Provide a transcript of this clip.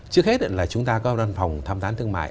trước hết là chúng ta có đơn phòng tham tán thương mại